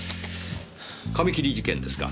髪切り事件ですか。